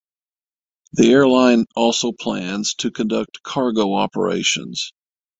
The airline also plans to conduct cargo operations.